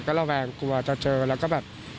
ก็ระแวงกลัวจะเจอแล้วก็แบบ